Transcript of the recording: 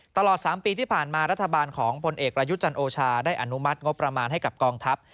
ตลอด๓ปีที่ผ่านมารัฐบาลของพลเอกประยุทธ์จันโอชาได้อนุมัติงบประมาณให้กับกองทัพ